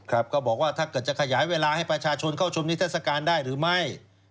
ก็บอกว่าถ้าเกิดจะขยายเวลาให้ประชาชนเข้าชมนิทัศกาลได้หรือไม่